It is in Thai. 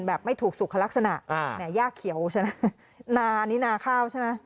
แบบไม่ถูกสุขลักษณะเนี่ยยากเขียวใช่มั้ยนานินาข้าวใช่ไหม